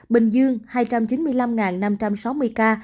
bình dương hai trăm chín mươi năm năm trăm sáu mươi ca